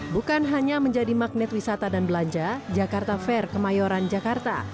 bukan hanya menjadi magnet wisata dan belanja jakarta fair kemayoran jakarta